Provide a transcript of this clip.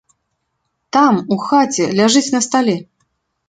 Там, у хаце, ляжыць на стале.